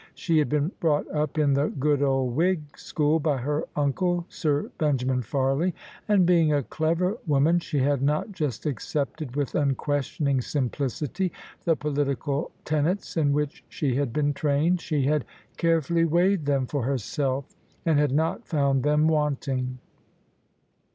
She had been brought up in the good old Whig school by her uncle, Sir Benjamin Farley: and, being a clever woman, she had not just accepted with unquestioning simplicity the political tenets in which she had been trained — she had carefully weighed them for herself and had not found them wanting.